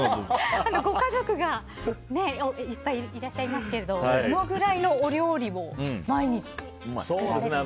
ご家族がいっぱいいらっしゃいますけどもどのくらいのお料理を毎日作られるんですか？